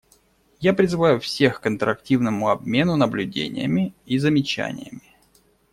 Я призываю всех к интерактивному обмену наблюдениями и замечаниями.